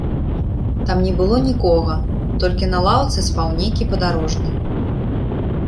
Там не было нікога, толькі на лаўцы спаў нейкі падарожны.